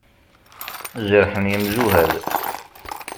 Jerḥen yemjuhad.